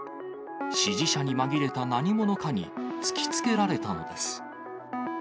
支持者に紛れた何者かに突きつけられたのです。